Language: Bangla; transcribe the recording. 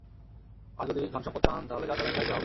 আর যদি ধনসম্পদ চান, তাহলে যা চাবেন তাই দেয়া হবে।